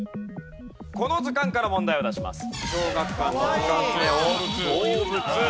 この図鑑から問題を出します。